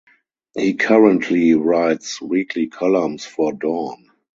He currently writes weekly columns for "Dawn".